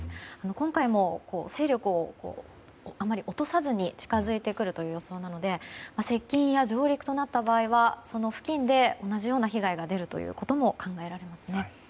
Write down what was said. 今回も勢力をあまり落とさずに近づいてくる予想なので接近や上陸となった場合はその付近で同じような被害が出ることも考えられますね。